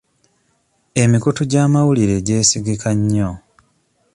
Emikutu gy'amawulire gyesigika nnyo.